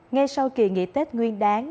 ngay sau kỳ nghỉ tết nguyên đáng